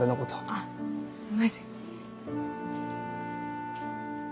あっすいません。